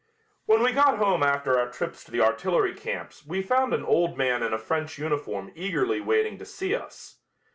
When we got home after our trips to the artillery camps we found an old man in a French uniform eagerly waiting to see us.